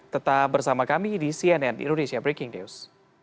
tetap bersama kami di cnn indonesia breaking news